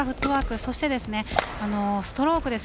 そしてストロークです。